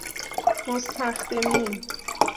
مستخدمین